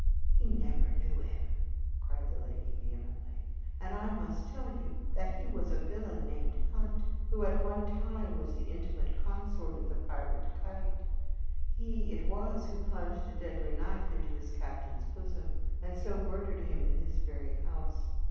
"He never knew him!" cried the lady, vehemently; "and I must tell you that he was a villain named Hunt, who at one time was the intimate consort of the pirate Keitt. He it was who plunged a deadly knife into his captain's bosom, and so murdered him in this very house.